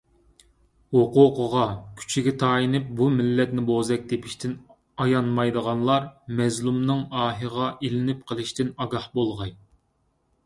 ھوقۇقىغا، كۈچىگە تايىنىپ بۇ مىللەتنى بوزەك تېپىشتىن ئايانمايدىغانلار مەزلۇمنىڭ ئاھىغا ئىلىنىپ قىلىشتىن ئاگاھ بولغاي.